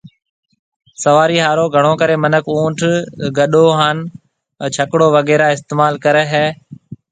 سوارِي ھارو گھڻو ڪري مِنک اُنٺ ، ڪڏو ھان ڇڪڙو وغيرھ استعمال ڪرَي تا